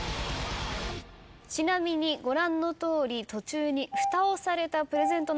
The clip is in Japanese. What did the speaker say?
ちなみにご覧のとおり途中にふたをされたプレゼント